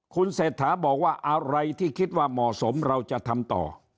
คุณเศรษฐาบอกว่าอะไรที่คิดว่าเหมาะสมเราจะทำต่อ